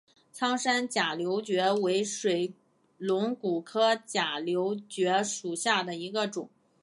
苍山假瘤蕨为水龙骨科假瘤蕨属下的一个种。